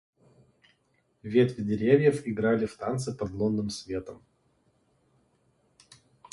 Ветви деревьев играли в танце под лунным светом.